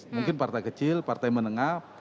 mungkin partai kecil partai menengah